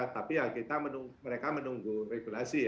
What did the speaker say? tapi ya kita mereka menunggu regulasi